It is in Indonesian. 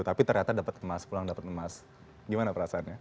tapi ternyata pulang dapat emas gimana perasaannya